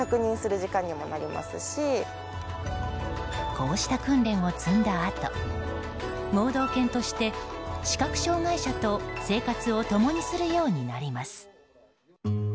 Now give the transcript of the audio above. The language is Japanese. こうした訓練を積んだあと盲導犬として視覚障害者と生活を共にするようになります。